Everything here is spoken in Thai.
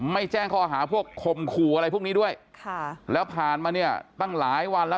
แจ้งข้อหาพวกคมขู่อะไรพวกนี้ด้วยค่ะแล้วผ่านมาเนี่ยตั้งหลายวันแล้ว